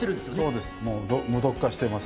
そうです、もう無毒化しています。